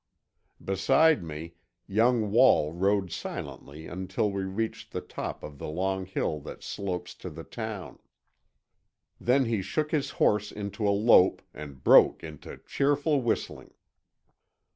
Beside me, young Wall rode silently until we reached the top of the long hill that slopes to the town. Then he shook his horse into a lope, and broke into cheerful whistling.